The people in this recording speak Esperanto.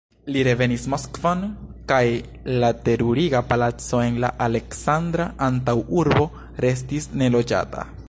Li revenis Moskvon, kaj la teruriga palaco en la Aleksandra antaŭurbo restis neloĝata.